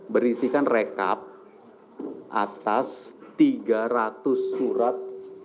berisikan rekap atas tiga ratus surat